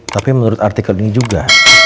tapi menurut artikel ini juga